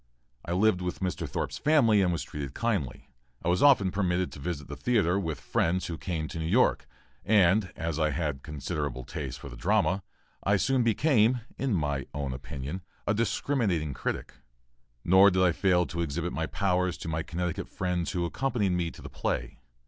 I lived in Mr. Thorp's family and was kindly treated. I was often permitted to visit the theatre with friends who came to New York, and, as I had considerable taste for the drama, I soon became, in my own opinion, a discriminating critic nor did I fail to exhibit my powers to my Connecticut friends who accompanied me to the play.